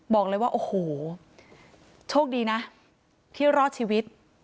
บอกเลยว่าโอ้โหโชคดีนะที่รอดชีวิต